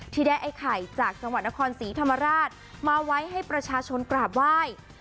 ที่ได้ไอ้ไข่จากจังหวัดนครศรีธรรมราชมาไว้ให้ประชาชนกราบไหว้